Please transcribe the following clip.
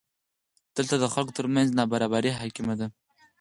دلته د خلکو ترمنځ نابرابري حاکمه ده.